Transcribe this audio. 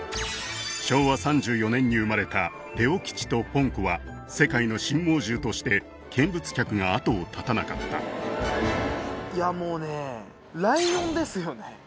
昭和３４年に生まれたレオ吉とポン子は世界の新猛獣として見物客があとを絶たなかったいやもうねライオンですよね